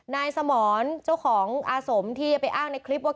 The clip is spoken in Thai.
นายสมรเจ้าของอาสมที่ไปอ้างในคลิปว่า